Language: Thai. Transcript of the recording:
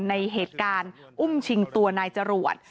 ในเหตุการณ์อุ้มชิงตัวนายจรวด